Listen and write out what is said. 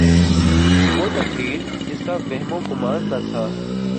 وہ تقریر جس کا وہم و گماں نہ تھا۔